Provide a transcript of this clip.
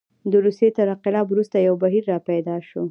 د روسیې تر انقلاب وروسته یو بهیر راپیدا شو.